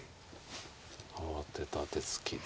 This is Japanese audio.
慌てた手つきで。